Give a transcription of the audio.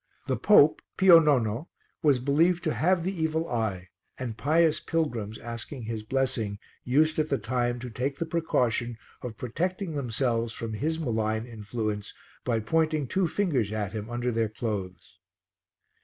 The pope, Pio Nono, was believed to have the evil eye, and pious pilgrims asking his blessing used, at the same time, to take the precaution of protecting themselves from his malign influence by pointing two fingers at him under their clothes.